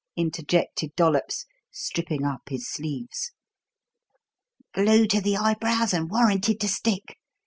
interjected Dollops, stripping up his sleeves. "Glue to the eyebrows and warranted to stick!